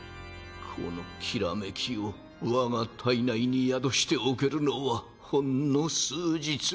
この煌めきを我が体内に宿しておけるのはほんの数日。